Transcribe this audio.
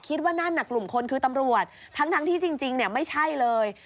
คิดว่านั่นน่ะกลุ่มคนคือตำรวจทั้งที่จริงเนี่ยไม่ใช่เลย